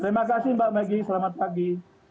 terima kasih mbak maggie selamat pagi